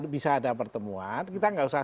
bisa ada pertemuan kita nggak usah